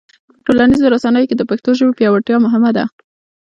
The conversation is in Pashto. په ټولنیزو رسنیو کې د پښتو ژبې پیاوړتیا مهمه ده.